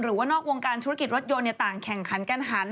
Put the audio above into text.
นอกวงการธุรกิจรถยนต์ต่างแข่งขันกันหัน